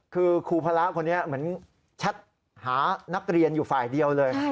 คือครูพระคนนี้เหมือนแชทหานักเรียนอยู่ฝ่ายเดียวเลย